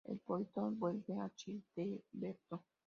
El Poitou vuelve a Childeberto.